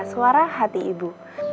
suara hati ibu